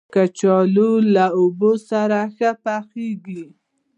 کچالو له اوبو سره ښه پخېږي